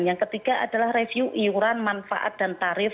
yang ketiga adalah review iuran manfaat dan tarif